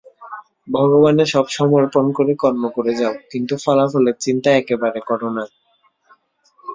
ভগবানে সব সমর্পণ করে কর্ম করে যাও, কিন্তু ফলাফলের চিন্তা একেবারে কর না।